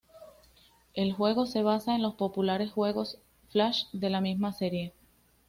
El juego se basa en los populares juegos flash de la misma serie.